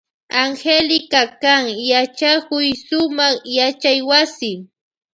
Angélica kan yachakuy sumak yachaywasi.